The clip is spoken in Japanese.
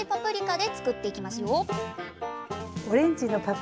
で